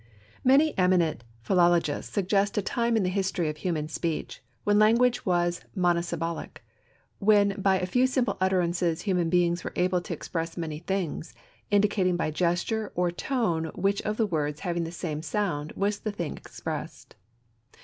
MANY eminent philologists suggest a time in the history of human speech when language was monosyllabic, when by a few simple utterances human beings were able to express many things, indicating by gesture or tone which of the words having the same sound was the thing expressed.